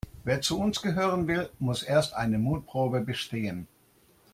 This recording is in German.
Wer zu uns gehören will, muss erst eine Mutprobe bestehen.